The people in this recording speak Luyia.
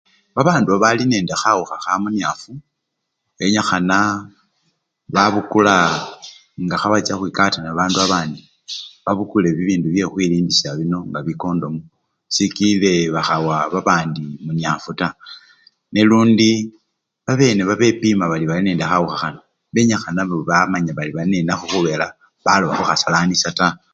Babandu babali nende khawukha khamunyafu benyikhana babukula-nga khebacha khwikata nebabandu bandi babukule bibindu bye khukhwilindisha bino nga chikondomu sikile bakhawa babandi munyafu taa nalundi babene babepima bari balinende khawukha khano benyikhana nabo bamanya bali balinenakho khubela baloba khukhasalanisa taa.